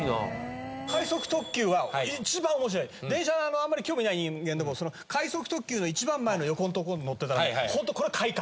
あんまり興味ない人間でも快速特急の一番前の横のとこに乗ってたらホントこれ快感。